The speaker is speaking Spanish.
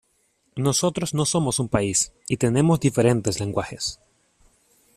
Nosotros no somos un país y tenemos diferentes lenguajes.